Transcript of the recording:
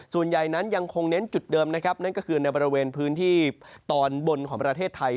ส่วนใหญ่นั้นยังคงเน้นจุดเดิมนะครับนั่นก็คือในบริเวณพื้นที่ตอนบนของประเทศไทย